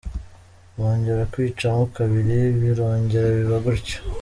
Bongera kwicamo kabiri, birongera biba gutyo.